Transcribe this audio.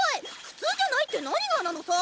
普通じゃないって何がなのさ！